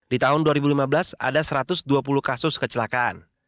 di tahun dua ribu lima belas ada satu ratus dua puluh kasus kecelakaan